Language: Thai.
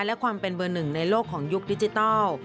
และความเป็นเบอร์หนึ่งในโลกของยุคดิจิทัล